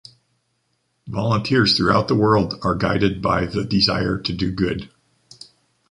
Volunteers throughout the world are guided by the desire to do good.